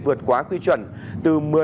vượt quá quy chuẩn từ một mươi m ba